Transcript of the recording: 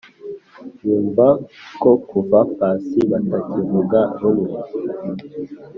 yumva ko kuva pasi batakivuga rumwe